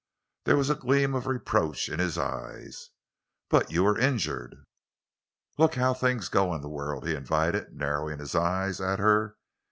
There was a gleam of reproach in his eyes. "But you were injured!" "Look how things go in the world," he invited, narrowing his eyes at her.